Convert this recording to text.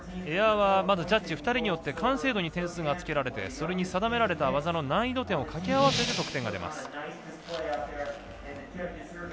エアはまずジャッジ２人によって完成度に点数がつけられてそれに定められた技の難易度点を掛け合わせて得点が出ます。